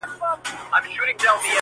ستا له تنګ نظره جُرم دی ذاهده,